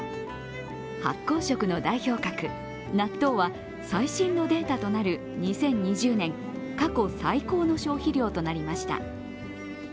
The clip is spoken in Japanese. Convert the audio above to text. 発酵食の代表格・納豆は最新のデータとなる２０２０年、過去最高の消費量となりました。